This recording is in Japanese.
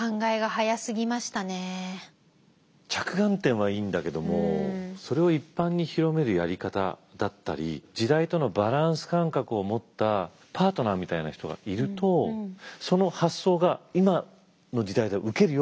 着眼点はいいんだけどもそれを一般に広めるやり方だったり時代とのバランス感覚を持ったパートナーみたいな人がいるとその発想が「今の時代だとウケるよ」